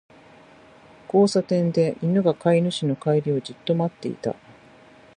交差点で、犬が飼い主の帰りをじっと待っていた。